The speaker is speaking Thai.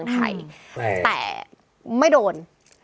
แต่ไม่โดน